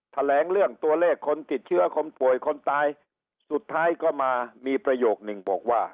แถลงเรื่องตัวเลขคนติดเชื้อคนป่วยคนตายสุดท้ายก็มามีประโยคนึงบอกว่า